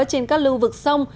trên các lưu vực sông